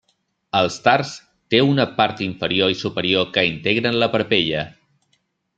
El tars té una part inferior i superior que integren la parpella.